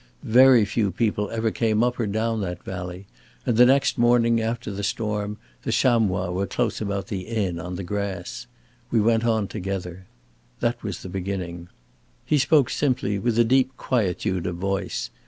Very few people ever came up or down that valley; and the next morning, after the storm, the chamois were close about the inn, on the grass. We went on together. That was the beginning." He spoke simply, with a deep quietude of voice.